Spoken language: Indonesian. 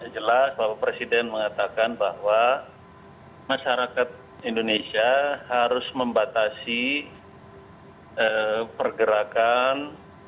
jelas bapak presiden mengatakan bahwa masyarakat indonesia harus membatasi pergerakan